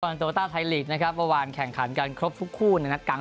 โตต้าไทยลีกนะครับเมื่อวานแข่งขันกันครบทุกคู่ในนัดกลาง